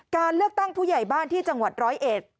การเลือกตั้งผู้ใหญ่บ้านที่จังหวัดร้อยเอ็ด